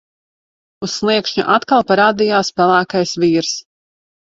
Uz sliekšņa atkal parādījās pelēkais vīrs.